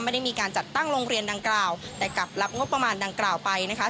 ไม่ได้มีการจัดตั้งโรงเรียนดังกล่าวแต่กลับรับงบประมาณดังกล่าวไปนะคะ